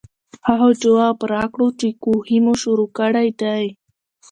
هغو جواب راکړو چې کوهے مو شورو کړے دے ـ